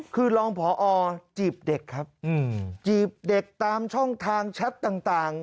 คือรองพอจีบเด็กครับจีบเด็กตามช่องทางแชทต่าง